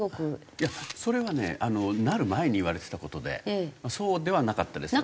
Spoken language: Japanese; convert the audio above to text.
いやそれはねなる前に言われてた事でそうではなかったですよね。